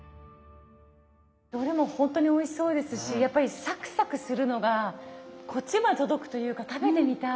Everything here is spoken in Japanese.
どれもほんとにおいしそうですしやっぱりサクサクするのがこっちまで届くというか食べてみたい。